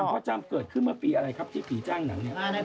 พ่อจำเกิดขึ้นเมื่อปีอะไรครับที่ผีจ้างหนังเนี่ย